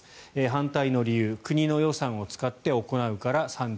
反対の理由国の予算を使って行うから３７％。